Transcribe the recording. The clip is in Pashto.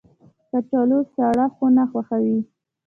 کچالو سړه خونه خوښوي